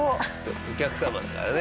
お客様だからね。